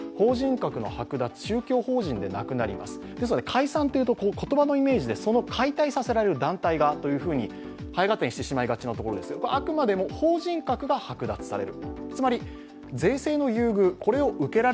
解散というと、言葉のイメージで解体される団体がというふうに早合点してしまいがちのところですがあくまでも法人格が剥奪される。